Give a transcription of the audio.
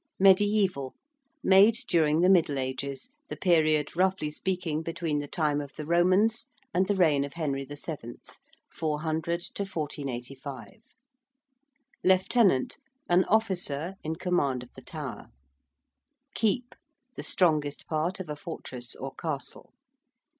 ~mediæval~: made during the middle ages; the period, roughly speaking, between the time of the Romans and the reign of Henry VII. (400 1485). ~lieutenant~: an officer in command of the Tower. ~keep~: the strongest part of a fortress or castle.